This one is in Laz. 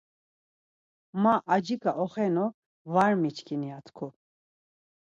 ”Ma acik̆a oxenu var miçkin.” ya tku.